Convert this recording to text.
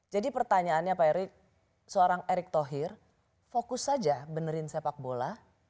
jadi pertanyaannya pak erick seorang erick thohir fokus saja benerin sepak bola